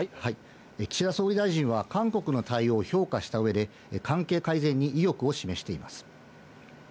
岸田総理大臣は、韓国の対応を評価したうえで、関係改善に意欲を示しています。